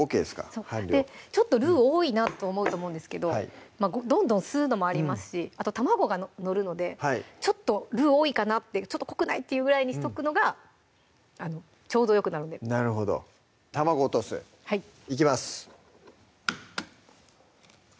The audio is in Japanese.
ちょっとルウ多いなと思うと思うんですけどどんどん吸うのもありますしあと卵が載るのでちょっとルウ多いかなってちょっと濃くない？っていうぐらいにしとくのがちょうどよくなるんでなるほど卵落とすいきます